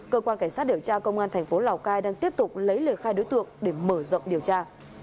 cơ quan cảnh sát điều tra công an thành phố lào cai đang tiếp tục lấy lời khai đối tượng để mở rộng điều tra